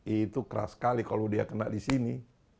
itu keras sekali kalau dia kena di sini